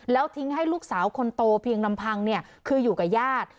แล้วทิ้งให้ลูกสาวคนโตเพียงลำพังคืออยู่กับญาติ